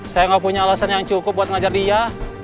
saya gak punya alasan yang cukup buat ngajar dia